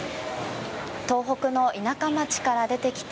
東北の田舎町から出てきて